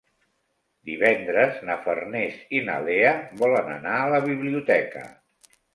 Divendres na Farners i na Lea volen anar a la biblioteca.